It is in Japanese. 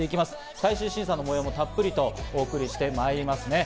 最終審査の模様もたっぷりお送りしてまいります。